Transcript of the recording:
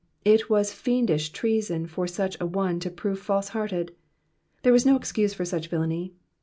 It was fiendish treason for such a one to prove falsehearted. There was no excuse for such villainy.